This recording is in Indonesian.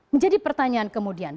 menjadi pertanyaan kemudian